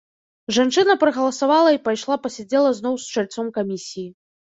Жанчына прагаласавала і пайшла пасядзела зноў з чальцом камісіі.